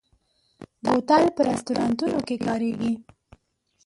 بوتل په رستورانتونو کې کارېږي.